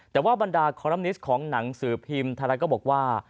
แต่ว่าบรรดาคอลัมนิสต์ของหนังสือพิมพ์ไทยรัฐก็บอกว่า